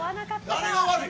誰が悪い。